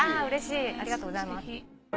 うれしいありがとうございます。